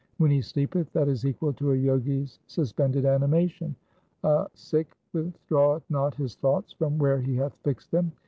When he sleepeth, that is equal to a Jogi's suspended animation. A Sikh withdraweth not his thoughts from where he hath fixed them.